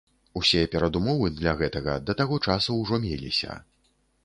Усе перадумовы для гэтага да таго часу ўжо меліся.